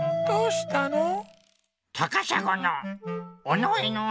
どうしたの？